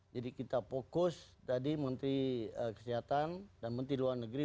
jadi kita fokus tadi menteri kesehatan dan menteri luar negeri